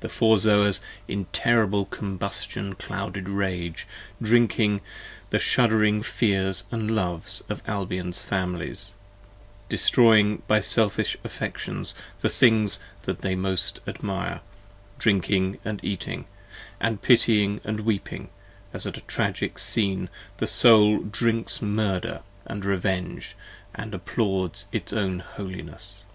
The Four Zoas in terrible combustion clouded rage, Drinking the shuddering fears & loves of Albion's Families, Destroying by selfish affections the things that they most admire, Drinking & eating, & pitying & weeping, as at a tragic scene, 30 The soul drinks murder & revenge, & applauds its own holiness.